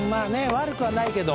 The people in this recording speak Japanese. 悪くはないけど。